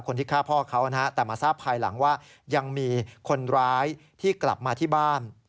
คนที่ฆ่าพ่อเขานะฮะแต่มาทราบภายหลังว่ายังมีคนร้ายที่กลับมาที่บ้าน